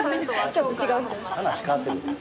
話変わってくる。